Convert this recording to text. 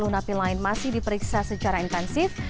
sepuluh napi lain masih diperiksa secara intensif